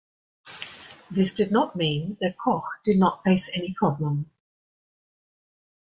This did not mean that Kok did not face any problem.